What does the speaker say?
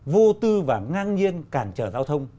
vô tư và ngang nhiên cản trở giao thông